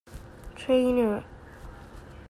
ޓްރެއިނަރ